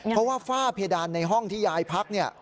เพราะว่าฝ้าเพดานในห้องที่ยายพักเนี่ย